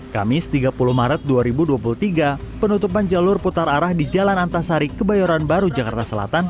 kamis tiga puluh maret dua ribu dua puluh tiga penutupan jalur putar arah di jalan antasari kebayoran baru jakarta selatan